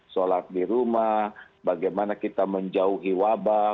sholat di rumah bagaimana kita menjauhi wabah